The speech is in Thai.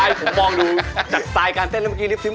ใช่ผมมองดูจากสไตล์การเต้นแล้วเมื่อกี้รีบซึ้